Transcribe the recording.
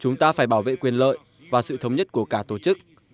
chúng ta phải bảo vệ quyền lợi và sự thống nhất của cả tổ chức